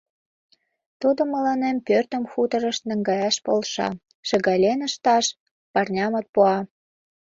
Тудо мыланем пӧртым хуторыш наҥгаяш полша, шыгален ышташ пырнямат пуа.